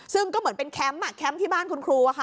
ซึ่งก็เหมือนเป็นแคมป์แคมป์ที่บ้านคุณครู